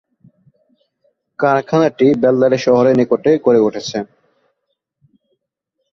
কারখানাটি বেল্লারী শহরের নিকটে গড়ে উঠেছে।